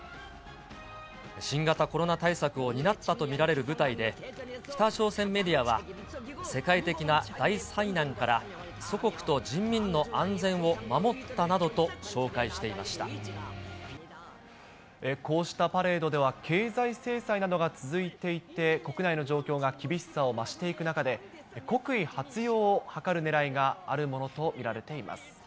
新型コロナ対策を担ったと見られる部隊で、北朝鮮メディアは、世界的な大災難から祖国と人民の安全を守ったなどと紹介していまこうしたパレードでは、経済制裁などが続いていて、国内の状況が厳しさを増していく中で、国威発揚を図るねらいがあるものと見られています。